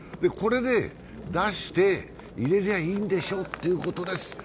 これで出して、入れりゃいいんでしょってことです。